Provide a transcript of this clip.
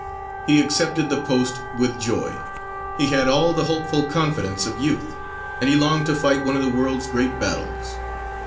He accepted the post with joy. He had all the hopeful confidence of youth, and he longed to fight one of the world's great battles.